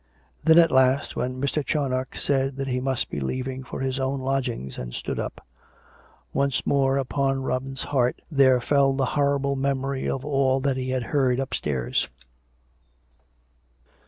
" Then, at last, when Mr. Charnoc said that he must be leaving for his own lodgings, and stood up ; once more upon Robin's heart there fell the horrible memory of all that he had heard upstairs.